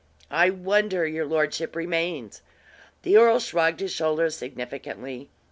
"I wonder your lordship remains?" The earl shrugged his shoulders significantly.